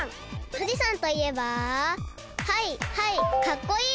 ふじさんといえばはいはいかっこいい！